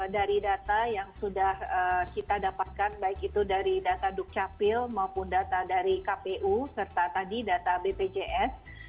dari data yang sudah kita dapatkan baik itu dari data dukcapil maupun data dari kpu serta tadi data bpjs